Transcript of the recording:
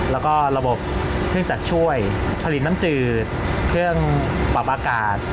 แล้วก็ระบบเครื่องจักรช่วยผลิตน้ำจืดเครื่องปรับอากาศ